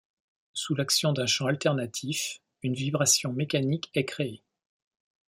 Sous l’action d’un champ alternatif, une vibration mécanique est créée.